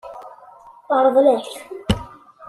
Teṛḍel-ak-t.